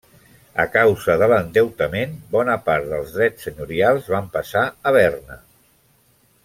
A causa de l'endeutament bona part dels drets senyorials van passar a Berna.